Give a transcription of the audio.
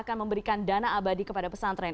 akan memberikan dana abadi kepada pesantren